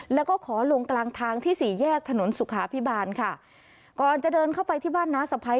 แล้วก็ขอลงกลางทางที่สี่แยกถนนสุขาพิบาลค่ะก่อนจะเดินเข้าไปที่บ้านน้าสะพ้าย